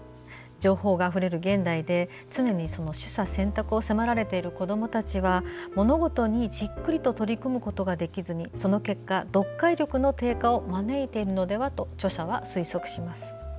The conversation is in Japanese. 情報があふれる現代で常に取捨選択を迫られている子どもたちは物事にじっくりと取り組むことができずにその結果、読解力の低下を招いているのではと著者は推測します。